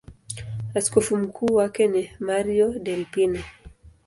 Askofu mkuu wake ni Mario Delpini.